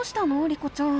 リコちゃん。